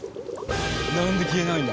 なんで消えないんだ？